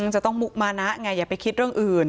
จะต้องมุกมานะไงอย่าไปคิดเรื่องอื่น